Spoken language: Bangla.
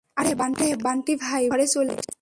আরেহ, বান্টি-ভাই, ভুল ঘরে চলে এসেছি।